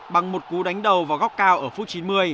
bằng một cú đánh đầu vào góc cao ở phút chín mươi